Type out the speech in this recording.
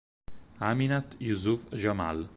Aminat Yusuf Jamal